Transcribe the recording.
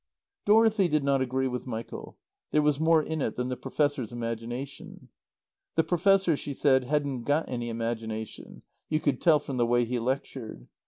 Dorothy did not agree with Michael. There was more in it than the Professor's imagination. The Professor, she said, hadn't got any imagination; you could tell from the way he lectured.